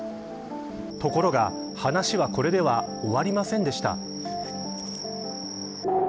ところが、話はこれでは終わりませんでした。